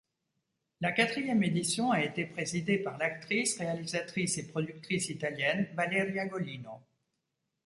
La quatrième édition a été présidée par l'actrice, réalisatrice et productrice italienne Valeria Golino.